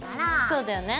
そうだよね。